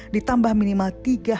ditambah minimal tiga kali negatif